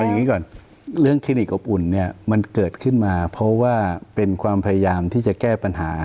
อย่างนี้ก่อนเรื่องคลินิกอบอุ่นเนี่ยมันเกิดขึ้นมาเพราะว่าเป็นความพยายามที่จะแก้ปัญหา